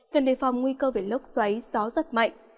cần đề phòng nguy cơ về lốc xoáy gió giật mạnh